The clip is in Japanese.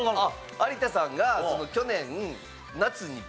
有田さんが去年。